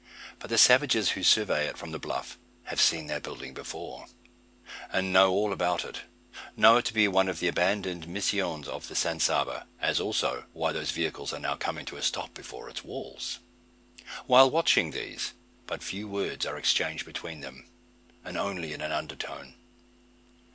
But the savages who survey it from the bluff have seen that building before, and know all about it; know it to be one of the abandoned misiones of San Saba; as, also, why those vehicles are now coming to a stop before its walls. While watching these, but few words are exchanged between them, and only in an under tone.